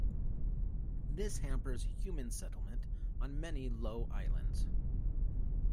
This hampers human settlement on many low islands.